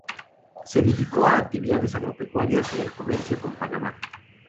Se dedicó a actividades agropecuarias y al comercio con Panamá.